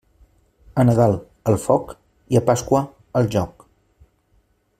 A Nadal, al foc, i a Pasqua, al joc.